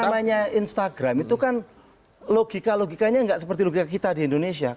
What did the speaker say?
namanya instagram itu kan logika logikanya nggak seperti logika kita di indonesia